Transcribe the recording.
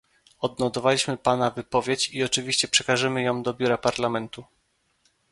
Odnotowaliśmy pana wypowiedź i oczywiście przekażemy ją do biura Parlamentu